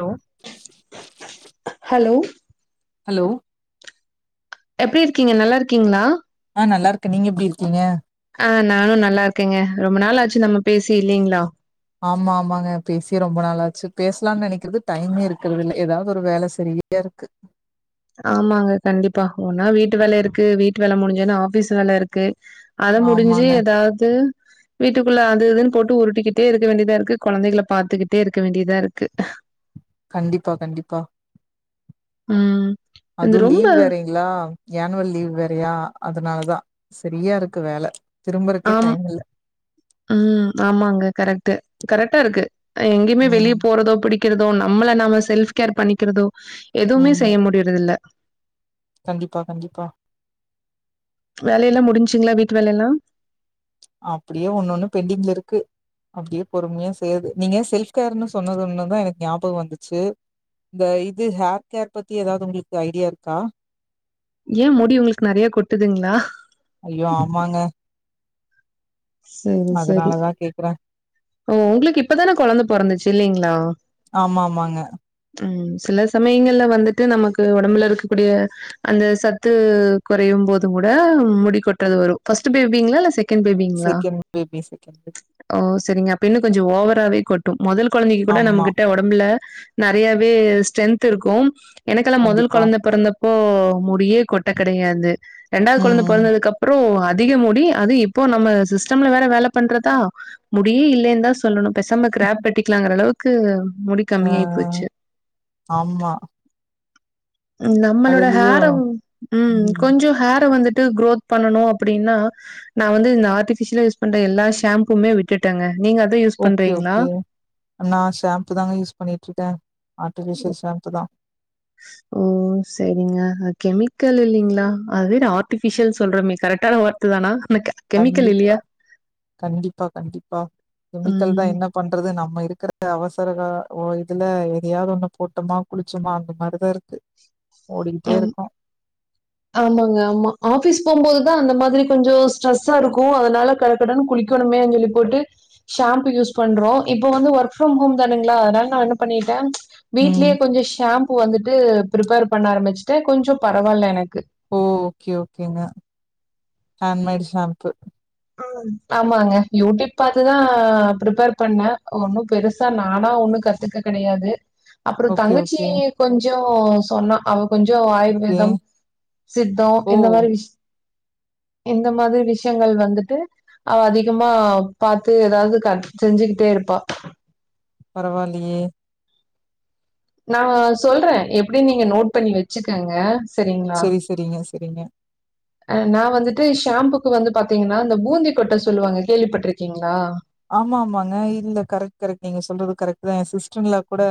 Hello hello hello எப்டி இருக்கீங்க நல்லா இருக்கீங்களா ஆ நல்லா இருக்கு நீங்க எப்டி இருக்கீங்க ஆஹ் நானு நல்லா இருக்கேங்க ரொம்ப நாள் ஆச்சு நம்ம பேசி இல்லீங்களா ஆமா ஆமாங்க பேசி ரொம்ப நாளாச்சு பேசலாம்னு நெனைக்கிறது டைமே இருக்கிறது இல்ல ஏதாவது ஒரு வேல செரியா இருக்கு ஆமாங்க கண்டிப்பா ஒன்னா வீட்டு வேல இருக்கு வீட்டு வேல முடிஞ்சேன்னா ஆபீஸ் வேல இருக்கு அத முடிஞ்சு ஆமாங்க ஏதாவது வீட்டுக்குள்ள அது இதுன்னு போட்டு உருட்டக்கிட்டே இருக்க வேண்டியதா இருக்கு கொழந்தைகளை பாத்துக்கிட்டே இருக்க வேண்டியதா இருக்கு கண்டிப்பா கண்டிப்பா உம் அதுவு லீவ் வேறங்களா ஏனுவல் லீவ் வேறையா அதனாலதா சரியா இருக்கு வேல திரும்பறக்கே டைம் இல்ல உம் ஆமாங்க கரெக்ட் கரெக்டா இருக்கு எங்கயுமே வெளிய ம் போறதோ புடி இருகிறதோ நம்மல நாம செல்ஃப் கேர் பண்ணிக்கிறதோ ஓகே எதுவுமே ம் செய்ய முடியறது இல்ல கண்டிப்பா கண்டிப்பா வேலெல்லா முடிஞ்சுங்களா வீட்டு வேல எல்லா அப்டியே ஒன்னொண்ணு பெண்டிங்ல இருக்கு அப்டியே பொறும்யா செய்யது நீங்க செல்ஃப் கேர்ன்னு சொன்னது ஒண்ணுதா எனக்கு ஞாபகொ வந்துச்சு இந்த இது ஹேர் கேர் பத்தி ஏதாவது உங்களுக்கு ஐடியா இருக்கா ஏ முடி உங்களுக்கு நெறையா கொட்டுதுங்ளா ஐயோ ஆமாங்க செரி செரி அதனாலதா கேக்குறே ஓ உங்ளுக்கு இப்பதான கொழந்த பொறந்துச்சி இல்லைங்ளா ஆமா ஆமாங்க ம் சில சமயங்கள்ல வந்துட்டு நமக்கு ஒடம்புல இருக்கக்கூடிய அந்த சத்து கொறையும் போது கூட முடி கொட்றது வரு ஃபர்ஸ்ட்டு பேபிங்ளா இல்ல ஸெ செகெண்ட் பேபி செகண்ட்டு ரிங்க அப்பின்னு கொஞ்சொ ஓவராவே கொட்டு முதல் கொழந்தைக்கு கூட ஆமா நம்மகிட்ட ஒடம்புல நெறையாவே ஸ்டென்த் இருக்கு எனக்கெல்லா மொதல் கண்டிப்பா. குழந்த பிறந்தப் போ முடியே கொட்ட கெடையாது ரென்டாவது கொழந்த ம். பொறந்ததுக்கு அப்ரோ அதிக முடி அது இப்போ நம்ம சிஸ்டம்ல வேற வேல பண்றதா முடியே இல்லன்னுதா சொல்லணும் பெசாம்மா கிராப் பெட்டிக்கலாங்ற அளவுக்கு இது அஹ் ஹா ஆமா நம்மளோட அதுலயு ஹேர உம் ம். கொஞ்ச ஹேர வந்துட்டு குரோத் பண்ணனு அப்டின்னா நான் வந்து இந்த ஆர்ட்டிபிஷியல்ஸ் யூஸ் பண்ற எல்லா ஷேம்புமே விட்டுட்டேங்க நீங்க அத யூஸ் ஓகே பண்றீங்களா? ஓகே நான் ஷாம்பு தாங்க யூஸ் பண்ணிற்ருக்கே ஆர்ட்டிஃபிஷியல் ஷாம்பூ தா ஓ சரிங்க அ கெமிக்கல்லு இல்லைங்களா அதுவே ஆர்ட்டிபிஷியல் சொல்றமே கரெக்டான வார்த்த தானா எனக்கு கெமிக்கல் கண்டிப்பா இல்லையா? கண்டிப்பா கண்டிப்பா கெமிக்கல் தான் ம். என்ன பண்றது நம் நம்ம இருக்கிற அவசரகா ஓ இதுல எதையாவது ஒண்ணு போட்டோமா குளிச்சோமா அந்த மாரிதான் இருக்கு ஓடிக்கிட்டே ஆம் இருக்கோம். ஆமாங்க ஆமா ஆபிஸ் போம்போது தான் அந்த மாதிரி கொஞ்ச ஸ்ட்ரெஸ்ஸா இருக்கு அதனால கழக்கடனு குளிக்கணுமே அப்பிஞ் சொல்லி போட்டு ஷாம்பு யூஸ் பண்றோ இப்போ வந்து ஒர்க் ஃப்ரம் ஹோம் தானுங்ளா அதனால நான் என்ன பண்ணிட்டே ம்ச்சு வீட்லயே ம். கொஞ்ச ஷாம்பூ வந்துட்டு பிரிப்பேர் பண்ண ஆரம்பிச்சுட்டே கொஞ்ச பரவால்ல எனக் ஓகே ஓகேங்க ஹேண்ட் மேடு ஷேம்ப்பு ஆமாங்க யூடியூப் பாத்து தா ப்ரிப்பேர் பண்ணே ஒன்னு பெருசா நானா ஒன்னு கத்துக்க கிடையாது அப்பறோ ஓகே, தங்கச்சி ஓகே, கொஞ்ச தோ சொன்னா அவ கொஞ்சோ ஓகே. ஆயுர்வேதம் சித்தோ ஓ! இந்த மாரி விஷ் இந்த மாதிரி விஷயங்கள் வந்துட் ட்டு அவ அதிகமா பாத்து ஏதாவது க செஞ்சுக்கிட்டே இருப்பா பரவால்லியே நா சொல்றே எப்புடி நீங்க நோட் பண்ணி வெச்சுக்கங்க செரி செரிங்க செரிங்க அ நா வந்துட்டு ஷாம்புக்கு வந்து பாத்தீங்கன்னா இந்த பூந்தி கொட்ட சொல்லுவாங்க கேள்விப்பட்ருக்கீங்களா ஆமா ஆமாங்க இல்ல கரெக்ட் கரெக்ட் நீங்க சொல்றது கரெக்ட் தான் என் சிஸ்ட்ர் இன் லா கூட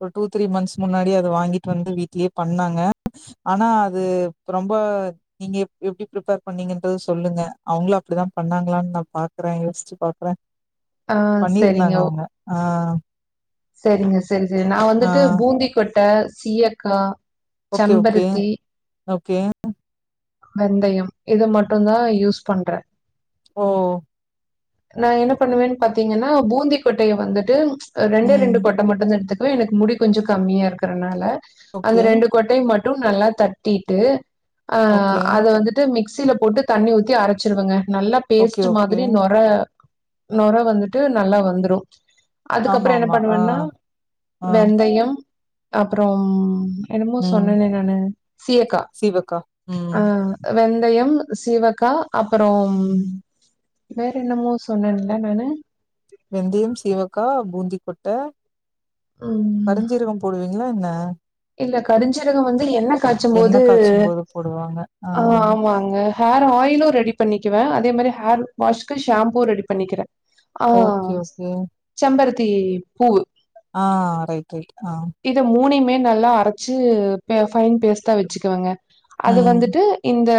ஒரு டூ த்ரீ மந்த்ஸ் முன்னாடி அது வாங்கிட்டு வந்து வீட்லே பண்ணாங்க ஆனா அது ரொம்ப நீங்க எப் எப்டி ப்ரிப்பேர் பண்ணீங்கன்றது சொல்லுங்க அவங்களு அப்புடிதா பண்ணாங்களான்னு நா பாக்குறே யோசிச்சி பாக் க்குற ஆ பண்ணியிருந்தாங்க அவங்க ஆ செரிங்க ஸ் சரி சரி நா ஆ. வந்துட்டு பூந்தி கொட் ட்ட சீயக்கா ஓகே, ஓகே, சம்பருத்தி ஓகே வெந்தயம் இத மட்டுந்தா யூஸ் பண்ற ஓ நா என்ன பண்ணுவேன் பாத்தீங்கன்னா பூந்திக்கொட்டைய வந்துட்டு அ ரெண்டே ம். ரெண்டு கொட்ட மட்டுந்தா எடுத் க்வே எனக்கு முடி கொஞ்சொ கம்மியா இருக்குறனால அந்த ஓகே, ரெண்டு கொட்டையு மட் டு நல்லா தட்டிட்டு ஆ ஓகே, அத வந்துட்டு மிக்ஸ் சியில போட்டு தண்ணி ஊத்தி அரச்சிருவங்க நல்லா ஓகே, பேஸ்ட்டு ஓகே. மாதிரி நொற நொற வந்துட்டு நல்லா வந்த்ரு ஆமா, அதுக்கப்றொ என்ன ஆமா. ஆ, பண்ணுவன்னா ஆ. வெந்தயம் அப்றொம் என்னமோ ம். சொன்னேனே நானு சீயக்கா சீவக்கா. ஆ ம், அ வெந்தயம் சீவக்கா அப்புறோம் ம். வேற என்னமோ சொன்னேன்ல நானு வெந்தயம் சிவக்கா பூந்தி கொட்ட ம். கருஞ்சிருக்கம் போடுவீங்களா என்ன ஆ இல்ல கருஞ்சிருகோ வந்து என்ன எண்ணெ காய்ச்சும்போது காச்சும் போது போடுவாங்க ஆ ஆமாங்க ஹேர் ஆயிலும் ரெடி பண்ணிக்குவே அதே மாரி ஹேர் வாஷ்க்கு ஷாம்பூ ரெடி பண்ணிக்கிறே ஆ ஓகே ஓகே செம்பரத் தி பூவு ஆ ரைட் ரைட் ஆ இது மூனையும் மே நல்லா அரைச்சு பே ஃபைன் பேஸ்ட்டா வெச்சுக்குவங்க அது ம் வந்துட்டு இந் இந்த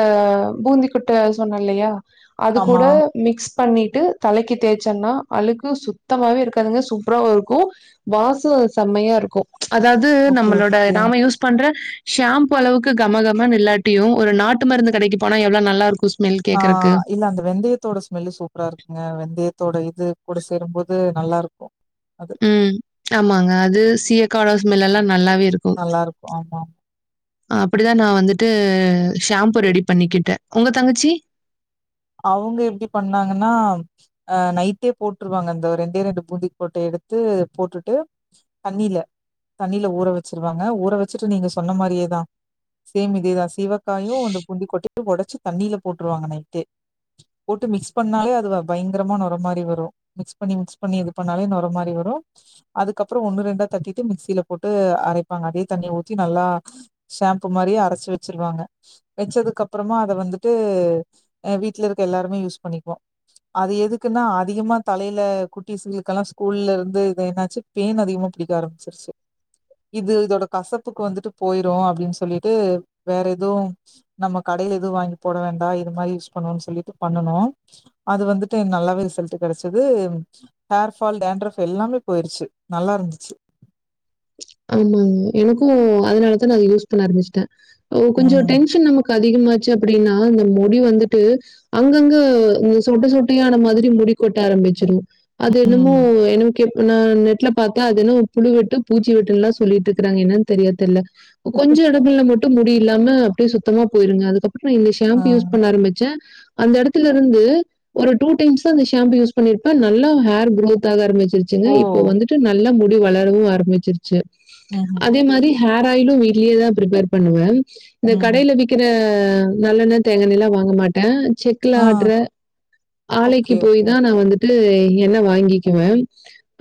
பூந்தி கொட்ட சொன்ன இல்லையா அதுக்கூட ஆமா மிக்ஸ் பண்ணிட்டு தலைக்கி தேய்ச்சன்னா அழுக்கு சுத்தமாவே இருக்காதுங்க சூப்ராவா இருக்கு வாசொ செம்மையா இருக்கு அதாவ்து ஓகே நம்மளோட ஓகே நாம யூஸ் பண்ற ஷாம்ப்பு அளவுக்கு கமகம இல்லாட்டியு ஒரு நாட்டு மருந்து கடைக்கு போனா எவ்ளோ நல்லா இருக்கு ஸ் ஆ இல்ல அந்த வெந்தயத்தோட ஸ்மெல்லு சூப்ரா இருக்குங்க வெந்தயத் தோட இது கூட சேரும்போது நல்லா இருக்கு ம் ஆமாங்க அதுஸ் சீயக்காவோட ஸ்மெல்லெல்லா நல்லா இருக்கு ஆமாம் அப்டிதா நா வந்துட்டு ஷாம்ப்பு ரெடி பண்ணிக்கிட்ட உங்க தங்கச்சி அவ்ங்க எப்டி பண்ணாங்கன்னா அ நைட்டே போட்ருவாங்க அந்த ரெண்டே ரெண்டு பூந்திக்கொட்ட எடுத்து போட்டுட்டு தண்ணியில தண்ணியில ஊற வச்சிருவாங்க ஊற வச்சுட்டு நீங்க சொன்ன மாரியேதா சேம் இதேதா சீவக்காயும் அந்த பூந்திக்கொட்டையு ஒடச்சு தண்ணியில போட்ருவாங்க நைட்டே போட்டு மிக்ஸ் பண்ணாலே அது பயங்கரமா நொற மாரி வரு மிக்ஸ் பண்ணி மிக்ஸ் பண்ணி இது பண்ணாலே நொர மாரி வரு அதுக்கப்றொ ஒண்ணு ரெண்டா தட்டிட்டு மிக்சியில போட்டு அரைப்பாங்க அதே தண்ணிய ஊத்தி நல்லா ஷாம்ப்பு மாரியே அரச்சு வச்சிருவாங்க வெச்சதுக்கப்றமா அத வந்துட்டு அ வீட் வீட்ல இருக்க எல்லாருமே யூஸ் பண்ணிக்வோ அது எதுக்குன்னா அதிகமா தலையில குட்டிஸுக்கெல்லா ஸ்கூல்ல இருந்து இது என்னாச்சு பேன் அதிகமா புடிக்க ஆரம்பிச்சிருச்சு இது இதோட கசப்புக்கு வந்துட்டு போய்ரு அப்டின் சொல்லிட்டு வேற எதுவு நம்ம கடையில எதுவு வாங்கி போட வேண்டா இது மாரி பண்ணனு சொல்லிட்டு பண்ணனோ அது வந்துட்டு நல்லாவே ரிசல்ட்டு கெடச்சுது ஹேர் ஃபால் டேண்ரஃப் எல்லாமே போயிருச்சு நல்லா இருந்துச்சு ஆமாங்க எனக்கு அதனாலதா நா அத யூஸ் பண்ண ஆரம்பிச்சுட்ட ஓ கொஞ்சொ ம் டென்ஷன் நமக் அதிகமாச்சு அப்டின்னா இந்த முடி வந்துட்டு அங்கங்க சொட்ட சொட்டையான மாதிரி முடி கொட்ட ஆரம்பிச்சிடு அது என்னமோ ம் என்னன் கே நா நெட்ல பாத்த அதென்ன புழு வெட்டு பூச்சி வெட் டுன்லா சொல்லிட்ருக்றாங்க என்னன்னு தரியா தெர்ல கொஞ்ச எடத்துல மட்டு முடி இல்லாம அப்படியே சுத்தமா போயிருங்க அதுக்கப் ற இந்த ஆ ஷாம்பூ யூஸ் பண்ண ஆரம்பிச்ச அந்த எடத்துல இருந்து ஒரு டூ டைம்ஸ்தா அந்த ஷாம்பு யூஸ் பண்ணிருப்பே நல்லா ஹேர் க்ரோத் ஆக ஆரம்பிச்சு ருச்சுங்க ஓ இப்போ வந்துட்டு நல்லா முடி வளரவு ஆரம்பிச்சிரு ச்சு ம்ஹ்ம் அதே மாரி ஹேர ஆ இன்னு வீட்லையே தா பிரிப்பேர் பண்ணுவே இந்த ம் கடையில விக்கிற ஹ நல்லெண்ண தேங்க எண்ணல்லா வாங்க மாட்டே செக்ல ஆ ஆட்டுற ஆலைக்கு ஓகே போய் ஓகே தா நா வந்து என்ன வாங்கிக்குவே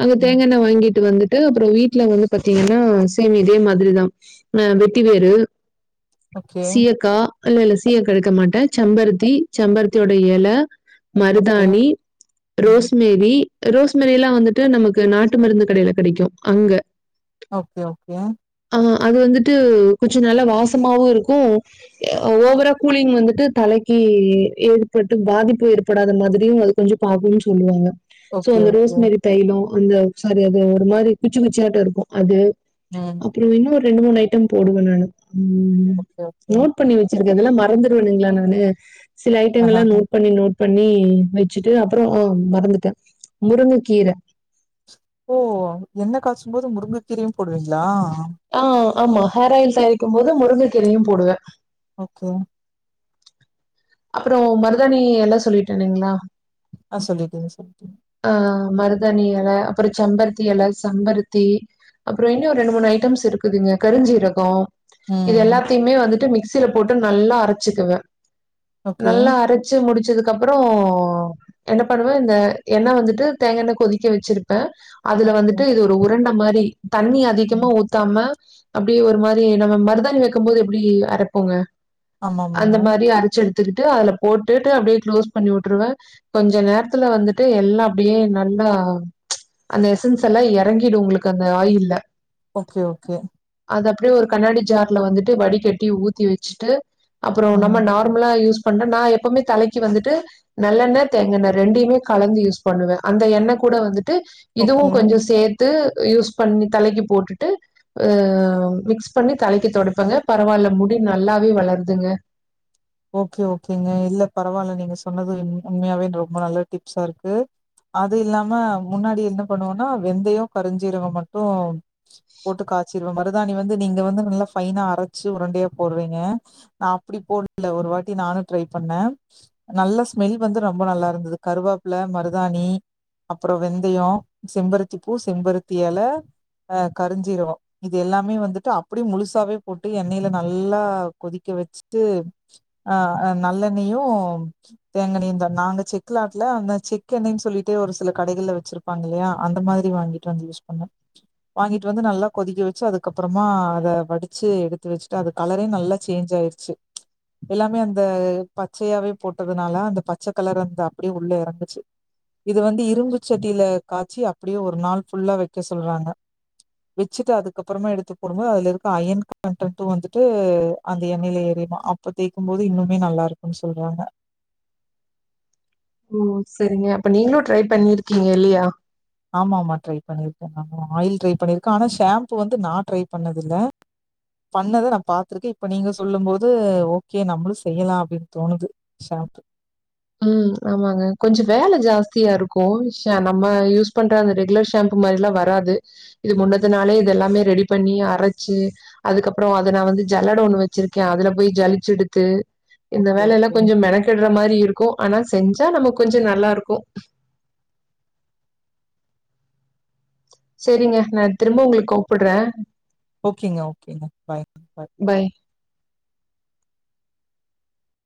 அங்க ம் தேங்க எண்ண வாங்கிட்டு வந்து அப்புறோ வீட்டுல வந்து பாத்தீங்கன்னா சேம் இதே மாதிரிதா அஹ் வெட்டி வேரு ஓகே சியக்கா இல்ல இல்ல சீய எடுக்க மாட்டே செம்பருத்தி செம்பருத்தியோட எல ஓகே மருதாணி ம் ரோஸ்மேரி ரோஸ் மேரி எல்லா வந்துட்டு நமக்கு நாட்டு மருந்து கடையில கெடைக்கும் அங்க ஓகே ஓகே ஆஹ அது வந்துட்டு கொஞ்சோ நல்ல வாசமாவு இருக்கோ ஓவரா கூலிங் வந்துட்டு தலைக்கு ஏற்பட்டு பாதிப்பு ஏற்படாத மாதிரியு அது கொஞ்சோ பாக்கும்ன்னு சொல்லுவாங்க சோ ஓகே அந்த ரோஸ் ஓகே மேரி தைய்லோ உண்மையா வன்சி சரி அது ஒரு மாதிரி குச்சி குச்சாட்டு இருக் அது ம் அப்புறோ இன்னொரு ரெண்டு மூணு ஐட்டம் போடுவே நானு உம் ஓகே ஓகே நோட் பண்ணி வெச்சிருக்க இதெல்லா மறந் மறந்துடுவேனுங்களா நானு சில ஐட்டோல்லா ஆஹஹ நோட் பண்ணி நோட் பண்ணி வெச்சுட்டு அப்புறோ ஆஹ் மறந்துட்டே முருங்க கீர ஓ என்ன காய்ச்சும்போது முருங்கக்கீரையு போடுவீங்களா ஆஹ் ஆமா ஹேர் ஆயில் தயாரிக்க போது முருங்கக்கீரையும் போடுவே ஓகே அப்புறோ மருதணி எல்லா சொல்லிட்டேனுங்களா ஆஹ் சொல்லிட்டிங்க சொல்லிட்டிங்க ஆஹ் மருதாணி எல அப்புறோ சம்பருத்தி எல செம்பருத்தி அப்புறோ இன்னு ஒரு ரெண்டு மூணு ஐட்டம்ஸ் இருக்குதுங்க கருஞ்சீரகோ இது ம். எல்லாத்தையுமே வந்துட்டு மிக்ஸ் மிக்சில போட்டு நல்லா அரைச்சுக்குவே ஓகே. நல்லா அரைச்சு முடிச்ச ச்சதுக்கப்புறோ என்ன பண்ணுவே இந்த எண்ண வந்துட்டு தேங்கா எண்ண கொதிக்க வெச்சிருப்பே அதுல ஓகே. வந்துட்டு இது ஒரு உரண்ட மாரி தண்ணி அதிகமா ம். ஊத்தாம அப்டியே ஒரு மாரி நம்ம மருதாணி வெக்கும் போது எப்டி அரைப்போங்க அந்த ஆமாமாங்க. மாரி அரச்செடு த்துகிட்டு அதுல போட்டுட்டு அப்டியே க்ளோஸ் பண்ணி வுட்ருவே கொஞ்ச நேரத்துல வந்து ட்டு எல்லா அப்டியே நல்லா அந்த எசன்ஸ் எல்லா எறங்கிடு உங்களுக்கு அந்த ஆயில்ல ஓகே ஓகே அது அப்டியே ஒரு கண்ணாடி ஜார்ல வந்துட்டு வடிகட்டி ஊத்தி வெச்சிட்டு அப்பறோ நம்ம ம். நார்மலா யூஸ் பண்ற நா எப்பமே தலைக்கு வந்துட்டு நல்லெண்ண தேங்கெண்ண ரெண்டயுமே கலந்து யூஸ் பண்ணுவே அந்த எண்ண கூட வந்துட் டு இதுவு ஓகே. கொஞ்சோ சேத்து யூஸ் பண்ணி தலைக்கு போட்டுட்டு அஹ் மிக்ஸ் பண்ணி தலைக்கு தொடைப்பங்க பரவால்ல முடி நல்லாவே வளருதுங்க ஓகே ஓகேங்க இல்ல பரவால்ல நீங்க சொன்னது உம் உண்மையாவே ரொம்ப நல்ல டிப்ஸா இருக்கு அது இல்லாம முன்னாடி என்ன பண்ணுவோன்னா வெந்தயோ கருஞ்சீரகம் மட்டும் போட்டு காச்சிருவே மருதாணி வந்து நீங்க வந்து நல்லா ஃபைனா அரச்சு உருண்டையா போடுறீங்க நா அப்டி போ இல்ல ஒரு வாட்டி நானு ட்ரை பண்ணே நல்ல ஸ்மெல் வந்து ரொம்ப நல்லா இருந்துது கருவேப்பில மருதாணி அப்பறோ வெந்தயோ செம்பருத்தி பூ செம்பருத்தி எல அஹ் கருஞ்சீரகோ இது எல்லாமே வந்துட்டு அப்டியே முழுசாவே போட்டு எண்ணைல நல்லா கொதிக்க வச்சிட்டு ஆஹ் அ நல்லெண்ணயு தேங்காண்ணயு தா நாங்க செக்கு லாட்ல அந்த செக்கு எண்ணெய்னு சொல்லிட்டே ஒரு சில கடைகள்ல வச்சிருப்பாங்க இல்லயா அந்த மாதிரி வாங்கிட்டு வந்து யூஸ் பண்ணே வாங்கிட்டு வந்து நல்லா கொதிக்க வச்சி அதுக்கப்றமா அத வடிச்சி எடுத்து வச்ட்டு அது கலரே நல்லா சேஞ்ச் ஆயிருச்சி எல்லாமே அந்த பச்சையாவே போட்டதுனால அந்த பச்ச கலர் அந்த அப்டியே உள்ள எறங்குச்சி இது வந்து இரும்பு செட்டில காச்சி அப்டியே ஒரு நாள் ஃபுல்லா வெக்க சொல்றாங்க வெச்சிட்டு அதுக்கப்பறமா எடுத்து போடும்போது அதுல இருக்க அயன் கண்ட்டண்ட்டு வந்துட்டு அந்த எண்ணெயில ஏரியுமா அப் ப தேய்க்கும்போது இன்னுமே நல்லா இருக்குன் சொல்றாங்க ம் செரிங்க அப்ப நீங்ளு ட்ரை பண்ணிருக்கிங்க இல்லையா ஆமா ஆமா ட்ரை பண்ணிருக்கே நானு ஆயில் ட்ரை பண்ணிருக்கே ஆனா ஷேம்ப்பு வந்து நா ட்ரை பண்ணதில்ல பண்ணத நா பா்த்ருக்கே இப்ப நீங்க சொல்லும் போது ஓகே நம்ளு செய்யலா அப்டின் தோணுது ஷேம்ப்பு உம் ஆமாங்க கொஞ்சொ வேல ஜாஸ்தியா இருக்கு ஷே நம்ம யூஸ் பண்ற அந்த ரெகுலர் ஷேம்ப்பு மாதிரிலா வராது இது முன்னதுனாளே இது எல்லாமே ரெடி பண்ணி அரச்சி அதுக்கப்றொ அத நா வந்து ஜல்லட ஒண்ணு வச்சிருக்கே அதுல போய் ஜளிச்செடுத்து இந்த ஓகே வேலைலா ஓகே கொஞ்சொ மெனக்கிட்ற மாரி இருக் கு ஆனா செஞ்சா நமக் கொஞ்சொ நல்லா இருக்கு செரிங்க நா திரும்ப உங்களுக் கூப்புட்றே ஓகேங்க ஓகேங்க பாய் பாய் பை.